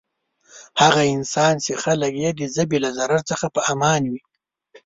هغه انسان چی خلک یی د ژبی له ضرر څخه په امان وی.